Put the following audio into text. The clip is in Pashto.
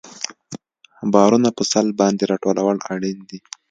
بارونه په سلب باندې راټولول اړین دي